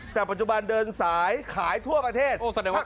แต่ปัจจุบันเดินสายขายทั่วประเทศ